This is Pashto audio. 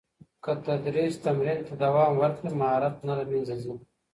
که تدریس تمرین ته دوام ورکړي، مهارت نه له منځه ځي.